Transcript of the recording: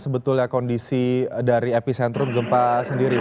sebetulnya kondisi dari epicentrum gempa sendiri